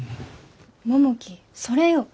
百喜それよ。